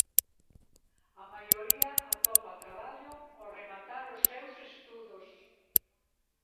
A maioría atopa traballo ao rematar os seus estudos.